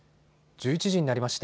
１１時になりました。